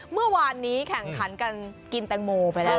เมื่อวานนี้แข่งขันกันกินแตงโมไปแล้ว